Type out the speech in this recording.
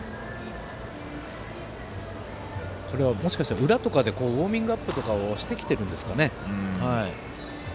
もしかしたら、裏とかでウォーミングアップしてきてるんですかね。